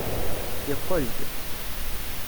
Yeqqel-d.